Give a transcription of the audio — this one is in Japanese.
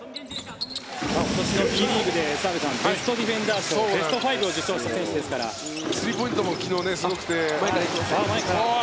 今年のＢリーグでベストディフェンダー賞を昨日もスリーポイントがすごくて。